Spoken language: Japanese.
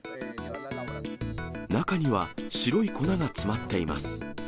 中には白い粉が詰まっています。